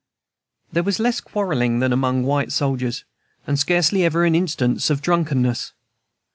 There was less quarrelling than among white soldiers, and scarcely ever an instance of drunkenness.